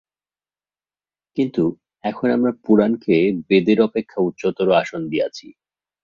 কিন্তু এখন আমরা পুরাণকে বেদের অপেক্ষা উচ্চতর আসন দিয়াছি।